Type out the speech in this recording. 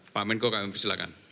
pak menko kami persilahkan